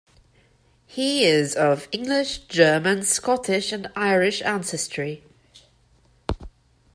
He is of English, German, Scottish, and Irish ancestry.